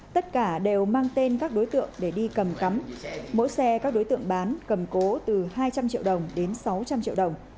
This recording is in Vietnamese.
tất cả đều mang tên các đối tượng để đi cầm cắm mỗi xe các đối tượng bán cầm cố từ hai trăm linh triệu đồng đến sáu trăm linh triệu đồng